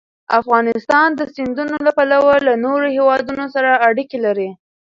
افغانستان د سیندونه له پلوه له نورو هېوادونو سره اړیکې لري.